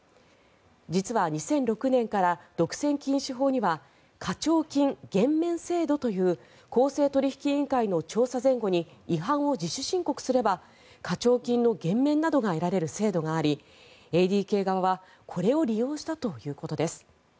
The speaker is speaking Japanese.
実は２００６年から独占禁止法には課徴金減免制度という公正取引委員会の調査前後に違反を自主申告すれば課徴金の減免などが得られる制度がありＡＤＫ側はこれを利用したということです。